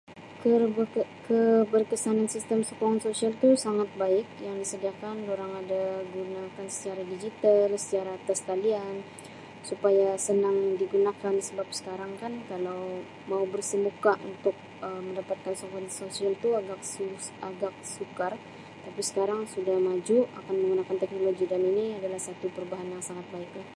Keberke-keberkesanan sistem sosial tu sangat baik yang disediakan durang ada berniaga secara digital, secara atas talian supaya senang digunakan sebab sekarang kan kalau mau bersemuka untuk Um mendapatkan sokongan sosial itu agak sus-agak sukar tapi sekarang sudah maju akan menggunakan teknologi dan ini adalah satu perubahan yang sangat baiklah.